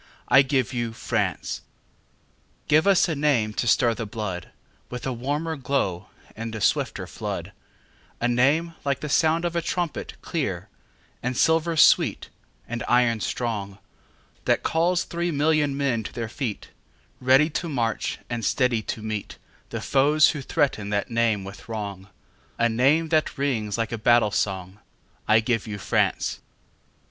I give you France! Give us a name to stir the bloodWith a warmer glow and a swifter flood,—A name like the sound of a trumpet, clear, And silver sweet, and iron strong, That calls three million men to their feet, Ready to march, and steady to meetThe foes who threaten that name with wrong,—A name that rings like a battle song.I give you France!